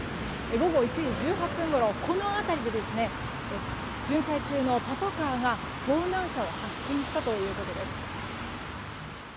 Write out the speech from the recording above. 午後１時１８分ごろこの辺りで巡回中のパトカーが、盗難車を発見したということです。